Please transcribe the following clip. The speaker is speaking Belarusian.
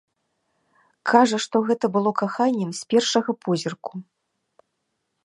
Кажа, што гэта было каханнем з першага позірку.